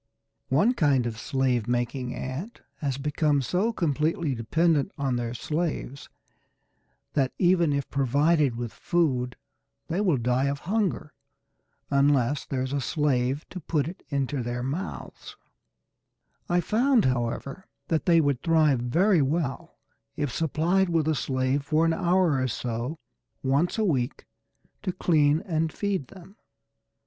One kind of slave making ant has become so completely dependent on their slaves that even if provided with food they will die of hunger, unless there is a slave to put it into their mouths, I found, however, that they would thrive very well if supplied with a slave for an hour or so once a week to clean and feed them.